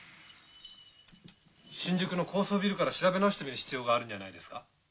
新宿の高層ビルから調べ直してみる必要があるんじゃないですか？